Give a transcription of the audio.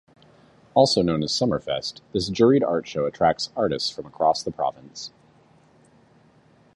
Also known as Summerfest, this juried art show attracts artists from across the province.